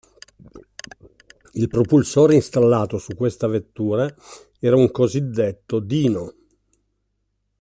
Il propulsore installato su questa vettura era un cosiddetto “Dino”.